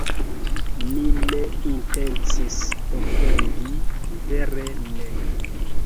“Mi ne intencis ofendi, vere ne!”